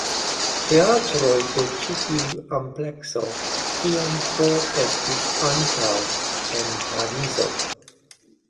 Teatroj de ĉi tiu amplekso tiam forestis ankaŭ en Parizo.